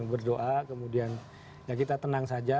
berdoa kemudian ya kita tenang saja